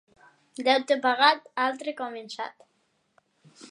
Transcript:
Deute pagat, altre començat.